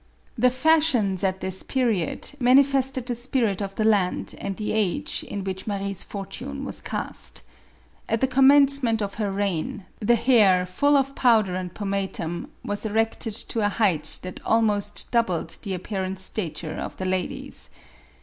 The fashions at this period manifested the spirit of the land and the age, in which Marie's fortune was cast At the commencement of her reign, the hair, full of powder and pomatum, was erected to a height that al most doubled the apparent stature of the ladies.